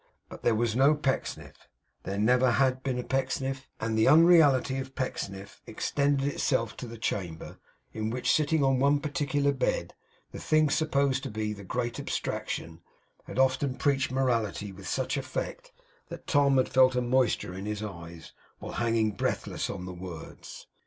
But there was no Pecksniff; there never had been a Pecksniff, and the unreality of Pecksniff extended itself to the chamber, in which, sitting on one particular bed, the thing supposed to be that Great Abstraction had often preached morality with such effect that Tom had felt a moisture in his eyes, while hanging breathless on the words.